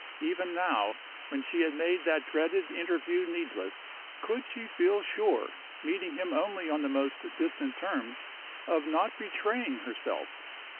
Even now, when she had made that dreaded interview needless, could she feel sure (meeting him only on the most distant terms) of not betraying herself?